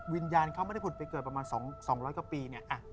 วิญญาณเขาปวดไปเกิด๒๐๐กว่าปี